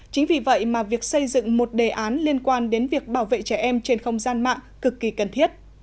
chính vì vậy mà việc xây dựng một đề án liên quan đến việc bảo vệ trẻ em trên không gian mạng cực kỳ cần thiết